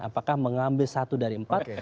apakah mengambil satu dari empat